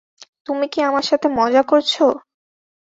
তুমি কি আমার সাথে মজা করছ?